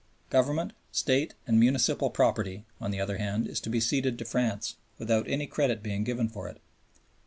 Government, State, and Municipal property, on the other hand, is to be ceded to France without any credit being given for it.